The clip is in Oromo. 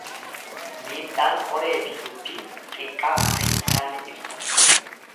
Miidhaan qoreefi dubbii xiqqaa akka hin taane ibsa.